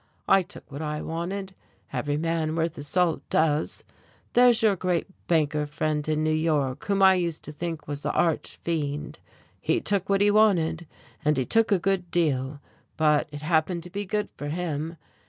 I took what I wanted, every man worth his salt does. There's your great banker friend in New York whom I used to think was the arch fiend. He took what he wanted, and he took a good deal, but it happened to be good for him.